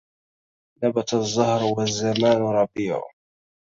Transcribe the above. نبت الزهر والزمان ربيع